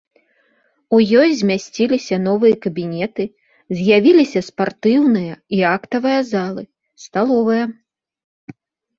У ёй змясціліся новыя кабінеты, з'явіліся спартыўная і актавая залы, сталовая.